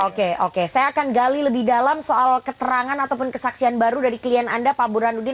oke oke saya akan gali lebih dalam soal keterangan ataupun kesaksian baru dari klien anda pak burhanuddin